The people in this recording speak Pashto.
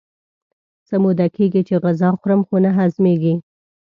څه موده کېږي چې غذا خورم خو نه هضمېږي.